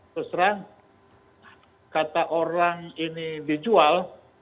terus terang kata orang ini dijual